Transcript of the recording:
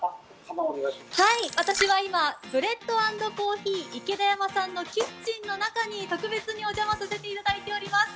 私は今、ブレッド＆コーヒーイケダヤマさんのキッチンの中に特別にお邪魔させていただいています。